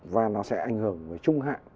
và nó sẽ ảnh hưởng về trung hạn